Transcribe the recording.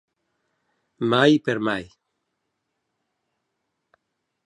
Mai per mai.